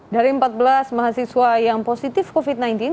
dari empat belas mahasiswa yang positif covid sembilan belas